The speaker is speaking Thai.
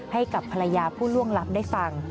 ให้กับภรรยาผู้ล่วงลับได้ฟัง